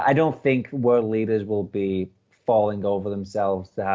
ini adalah satu dari saat terbaiknya